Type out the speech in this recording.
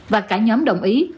và cả nhóm đồng ý